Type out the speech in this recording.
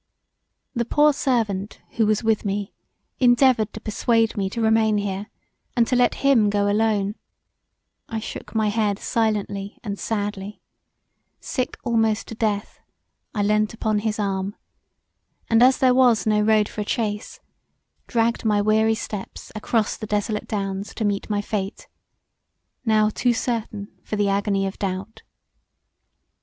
The poor old servant who was with me endeavoured to persuade me to remain here and to let him go alone I shook my head silently and sadly; sick almost to death I leant upon his arm, and as there was no road for a chaise dragged my weary steps across the desolate downs to meet my fate, now too certain for the agony of doubt.